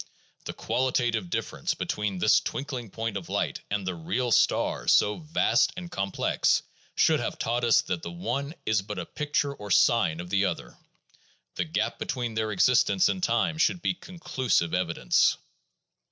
The qualitative difference between this twinkling point of light and the real star, so vast and complex, should have taught us that the one is but a picture or sign of the other; the gap between their existence in time should be conclusive evidence.